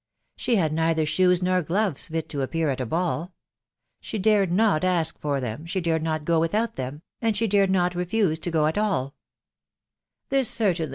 She had neither shoes nor gloves fit to ap pear at a ball. She dared not ask for them, u\ve fax«& tkA. %% without them, and she dared not refuse to &o aX aXL "This certainly.